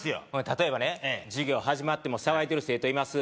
例えばね授業始まっても騒いでる生徒います